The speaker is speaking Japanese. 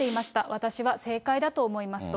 私は正解だと思いますと。